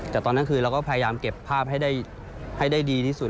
แต่ตอนนั้นคือเราก็พยายามเก็บภาพให้ได้ดีที่สุด